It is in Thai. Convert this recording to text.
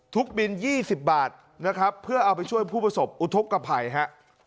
บิน๒๐บาทนะครับเพื่อเอาไปช่วยผู้ประสบอุทธกภัยฮะ